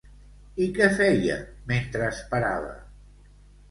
I què feia, mentre esperava?